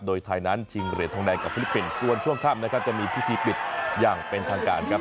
โดยไทยนั้นชิงเหรียญทองแดงกับฟิลิปปินส์ส่วนช่วงค่ำนะครับจะมีพิธีปิดอย่างเป็นทางการครับ